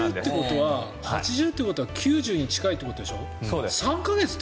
８０ってことは９０に近いってことでしょ？